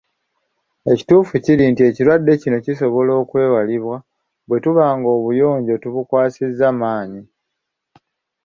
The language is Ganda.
Ekituufu kiri nti ekirwadde kino kisobola okwewalibwa bwe tuba nga obuyonjo tubukwasizza maanyi